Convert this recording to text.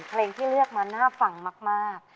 เพลงที่เลือกมาน่าฟังมาก